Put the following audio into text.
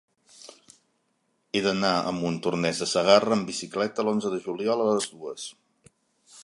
He d'anar a Montornès de Segarra amb bicicleta l'onze de juliol a les dues.